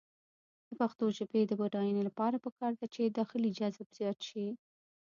د پښتو ژبې د بډاینې لپاره پکار ده چې داخلي جذب زیات شي.